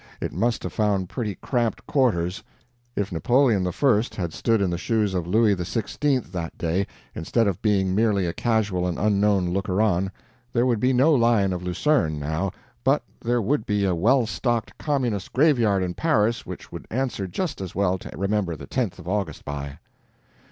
It must have found pretty cramped quarters. If Napoleon the First had stood in the shoes of Louis XVI that day, instead of being merely a casual and unknown looker on, there would be no Lion of Lucerne, now, but there would be a well stocked Communist graveyard in Paris which would answer just as well to remember the 10th of August by.